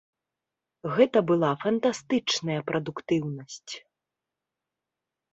Гэта была фантастычная прадуктыўнасць.